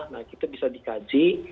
nah itu bisa dikaji